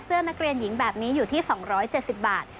นักเรียนหญิงแบบนี้อยู่ที่๒๗๐บาท